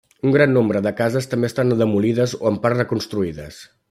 Un gran nombre de cases també estan demolides o en part reconstruïdes.